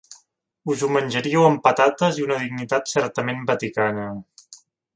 Us ho menjaríeu amb patates i una dignitat certament vaticana.